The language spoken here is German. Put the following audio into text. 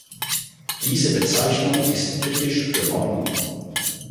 Diese Bezeichnung ist typisch für Motten.